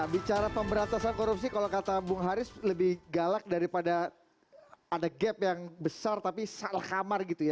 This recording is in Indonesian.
bicara pemberantasan korupsi kalau kata bung haris lebih galak daripada ada gap yang besar tapi salah kamar gitu ya